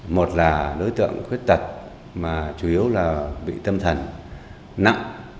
một là đối tượng khuyết tật mà chủ yếu là bị tâm thần nặng